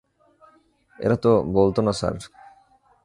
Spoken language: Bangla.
এটা তো বলতো না স্যার।